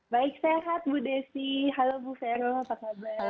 baik sehat bu desi halo bu vero apa kabar